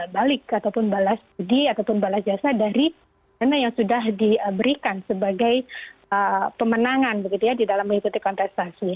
balik ataupun balas budi ataupun balas jasa dari dana yang sudah diberikan sebagai pemenangan begitu ya di dalam mengikuti kontestasi